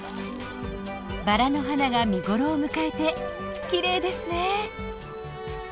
バラの花が見頃を迎えてきれいですね。